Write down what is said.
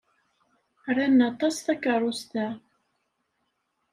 Ran aṭas takeṛṛust-a.